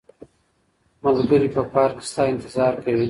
ملګري په پارک کې ستا انتظار کوي.